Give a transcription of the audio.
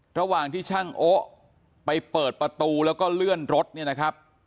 ระหว่างที่ช่างโอ๊ะไปเปิดประตูแล้วก็เลื่อนรถเนี่ยนะครับ